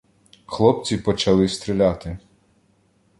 Хлопці почали стріляти.